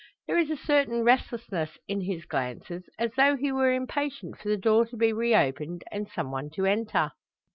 There is a certain restlessness in his glances, as though he were impatient for the door to be reopened, and some one to enter.